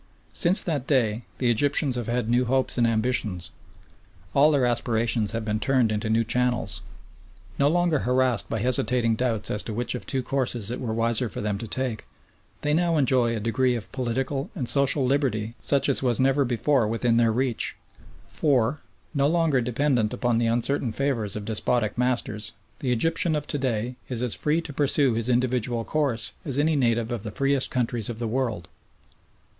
Since that day the Egyptians have had new hopes and ambitions. All their aspirations have been turned into new channels. No longer harassed by hesitating doubts as to which of two courses it were wiser for them to take, they now enjoy a degree of political and social liberty such as was never before within their reach, for, no longer dependent upon the uncertain favour of despotic masters, the Egyptian of to day is as free to pursue his individual course as any native of the freest countries of the world.